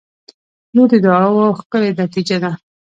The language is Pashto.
• لور د دعاوو ښکلی نتیجه ده.